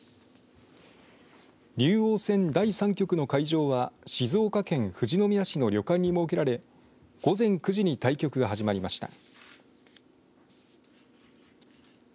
竜王戦第３局の会場は静岡県富士宮市の旅館に設けられ午前９時に対局が始まりました。